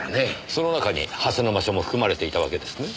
その中に蓮沼署も含まれていたわけですね。